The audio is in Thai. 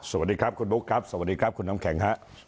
สวัสดีครับคุณบุ๊คครับสวัสดีครับคุณน้ำแข็งฮะ